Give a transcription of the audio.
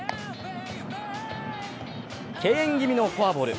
敬遠気味のフォアボール。